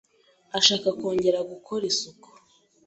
ashaka kongera gukora isuku